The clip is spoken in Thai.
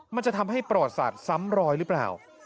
มันจะทำให้ปรอสาทซ้ำรอยหรือเปล่า